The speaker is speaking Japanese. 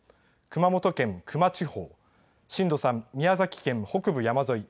熊本県球磨地方震度３、宮崎県北部山沿い